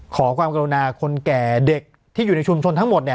ขอความกรุณาคนแก่เด็กที่อยู่ในชุมชนทั้งหมดเนี่ย